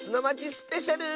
スペシャル！